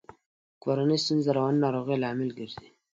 کورنۍ ستونزي د رواني ناروغیو لامل ګرزي.